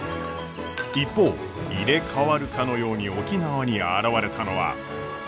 一方入れ代わるかのように沖縄に現れたのは。